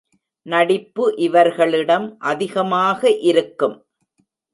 நடிப்பு இவர்களிடம் அதிகமாக இருக்கும்.